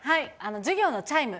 授業のチャイム。